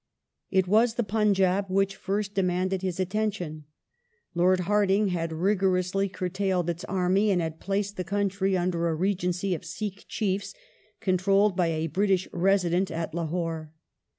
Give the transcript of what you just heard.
It was the Punjab which fu st demanded his attention. Lord Hardinge had rigorously curtailed its army and had placed the country under a regency of Sikh chiefs controlled by a British Resident at Lahore.